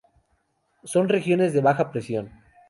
Son regiones de baja presión.